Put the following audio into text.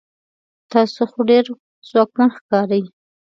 تاسو خو ډیر ځواکمن ښکارئ